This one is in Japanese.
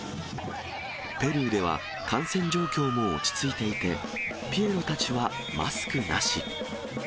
ペルーでは、感染状況も落ち着いていて、ピエロたちはマスクなし。